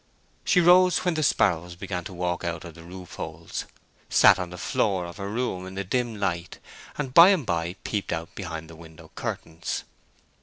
She rose when the sparrows began to walk out of the roof holes, sat on the floor of her room in the dim light, and by and by peeped out behind the window curtains.